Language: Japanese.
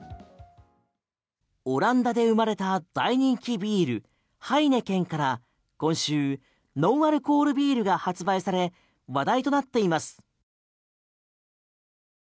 オランダで生まれた大人気ビールハイネケンから今週ノンアルコールビールが発売され話題となっています。